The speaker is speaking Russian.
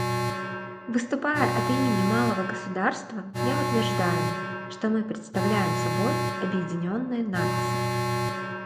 Выступая от имени малого государства, я утверждаю, что мы представляем собой объединенные нации.